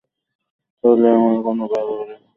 তাহলে, আমরা কোন ব্যাপারে কথা বলছি?